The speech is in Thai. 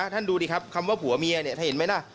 ท่านดูดิครับคำว่าผัวเมียถ้าเห็นไหมนะ